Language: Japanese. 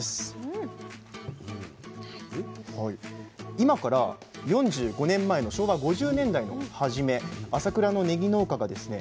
今から４５年前の昭和５０年代のはじめ朝倉のねぎ農家がですね